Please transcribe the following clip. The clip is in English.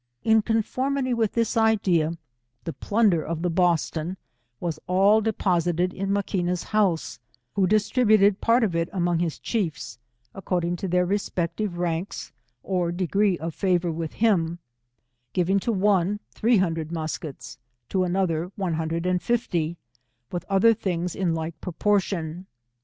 171 In conformity with this idea, the plunder of the Boston, was all deposited in Maquiaa's house, who distributed part of it among his chiefs, according to th^ir respective ranks or degree cf favour with him, giving to one, three hundred muskets, to another, one hundred and fifty, with other things ia like proportion.